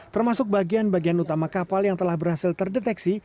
termasuk bagian bagian utama kapal yang telah berhasil terdeteksi